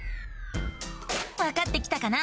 わかってきたかな？